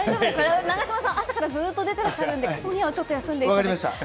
永島さん、朝からずっと出ていらっしゃるので今夜は休んでいただいて。